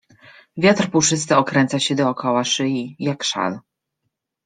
Wiatr puszysty okręca się dookoła szyi, jak szal.